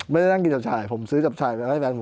ไม่ได้นั่งกินจับฉ่ายผมซื้อจับฉ่ายไปให้แฟนผม